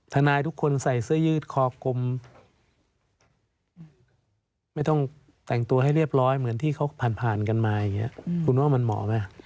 ทนายทุกคนใส่เสื้อยืดคอกลมไม่ต้องแต่งตัวให้เรียบร้อยเหมือนที่เขาผ่านผ่านกันมาอย่างนี้คุณว่ามันเหมาะไหม